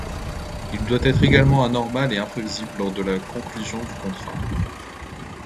Il doit être également anormal et imprévisible lors de la conclusion du contrat.